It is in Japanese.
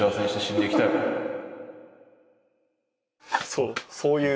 そうそういう。